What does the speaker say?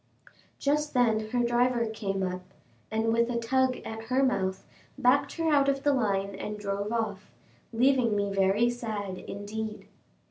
Just then her driver came up, and with a tug at her mouth, backed her out of the line and drove off, leaving me very sad, indeed.